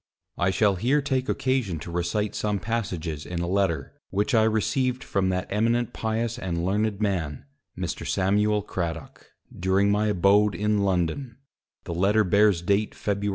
I shall here take occasion to recite some Passages in a Letter, which I received from that Eminent pious and learned Man, Mr. Samuel Cradock; during my abode in London; the Letter bears date _Febr.